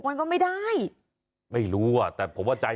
ก็คือเธอนี่มีความเชี่ยวชาญชำนาญ